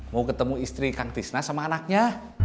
mau ketemu istri kang tisna sama anaknya